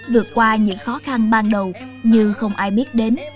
vượt qua những khó khăn ban đầu như không ai biết đến